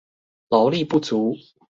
勞力不足